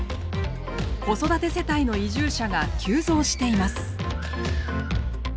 子育て世帯の移住者が急増しています。